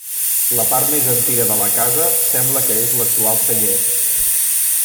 La part més antiga de la casa sembla que és l'actual celler.